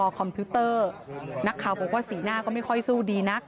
คอมพิวเตอร์นักข่าวบอกว่าสีหน้าก็ไม่ค่อยสู้ดีนัก